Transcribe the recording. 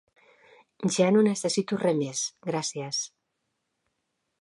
Ja no necessito res més, gràcies.